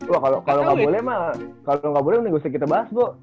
wah kalau nggak boleh mah kalau nggak boleh kita bahas bu